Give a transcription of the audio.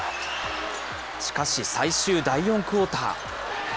しかし最終第４クオーター。